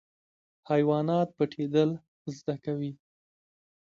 حیوانات پټیدل زده کوي